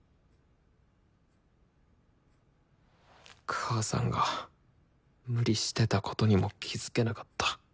母さんが無理してたことにも気付けなかった。